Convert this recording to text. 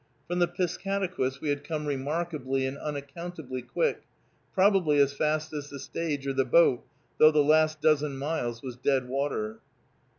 From the Piscataquis we had come remarkably and unaccountably quick, probably as fast as the stage or the boat, though the last dozen miles was dead water.